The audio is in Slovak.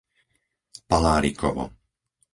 Palárikovo